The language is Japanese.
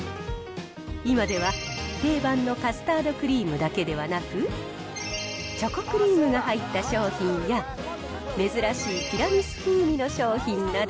今では定番のカスタードクリームだけではなく、チョコクリームが入った商品や、珍しいティラミス風味の商品など。